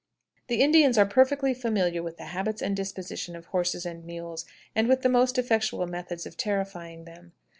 The Indians are perfectly familiar with the habits and disposition of horses and mules, and with the most effectual methods of terrifying them.